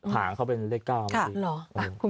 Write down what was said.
หาเขาเป็นเลข๙ดี